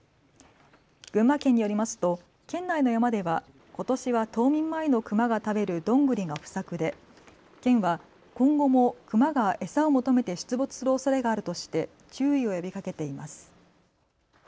群馬県によりますと県内の山ではことしは冬眠前のクマが食べるドングリが不作で県は今後もクマが餌を求めて出没するおそれがあるとして注意を呼びかけています。